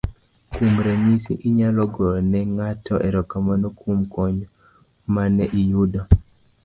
kuom ranyisi inyalo goyo ne ng'ato erokamano kuom kony mane iyudo